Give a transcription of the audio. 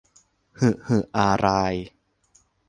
หึหึอาราย